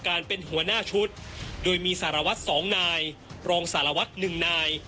การเป็นหัวหน้าชุดโดยมีสารวัตร๒นายรองสารวัตรหนึ่งนาย